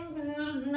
đó là bộ công thương